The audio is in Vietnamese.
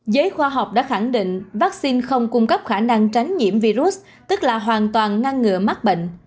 giới khoa học đã khẳng định vaccine không cung cấp khả năng tránh nhiễm virus tức là hoàn toàn ngăn ngừa mắc bệnh